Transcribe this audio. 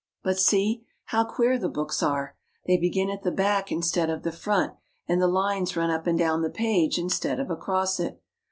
But see ! How queer the books are ! They begin at the back instead of the front, and the lines run up and down the page instead of across it.